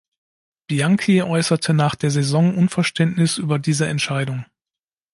Bianchi äußerte nach der Saison Unverständnis über diese Entscheidung.